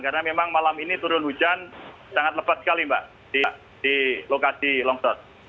karena memang malam ini turun hujan sangat lebat sekali mbak di lokasi longsor